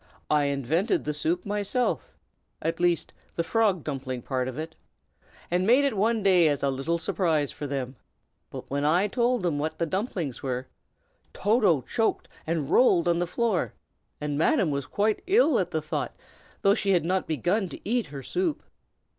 I invented the soup myself, at least the frog dumpling part of it, and made it one day as a little surprise for them. But when I told them what the dumplings were, Toto choked and rolled on the floor, and Madam was quite ill at the very thought, though she had not begun to eat her soup.